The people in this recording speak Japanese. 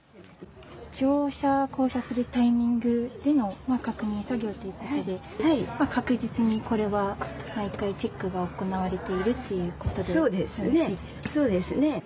乗車、降車するタイミングでの確認作業ということで確実に毎回、チェックが行われているということですね。